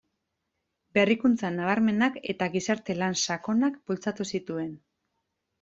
Berrikuntza nabarmenak eta gizarte lan sakonak bultzatu zituen.